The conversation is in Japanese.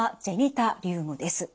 タリウムです。